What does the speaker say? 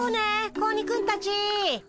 子鬼くんたち。